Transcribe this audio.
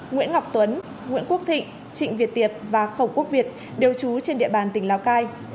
nguyễn ngọc tuấn nguyễn quốc thịnh trịnh việt tiệp và khổng quốc việt đều trú trên địa bàn tỉnh lào cai